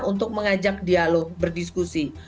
untuk mengajak dialog berdiskusi